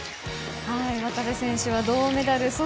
渡部選手は銅メダル。